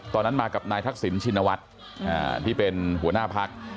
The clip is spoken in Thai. ตอนนั้นมากับนายทักษิณชินวัฒน์ที่เป็นหัวหน้าพัก